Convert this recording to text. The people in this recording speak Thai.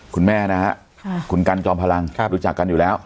คุณแม่นะฮะคุณกันจอมพลังรู้จักกันอยู่แล้ว